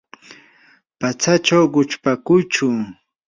patsachaw quchpakuychu.